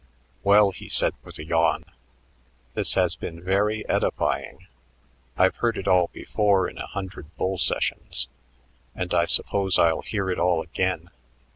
"Well," he said with a yawn, "this has been very edifying. I've heard it all before in a hundred bull sessions, and I suppose I'll hear it all again.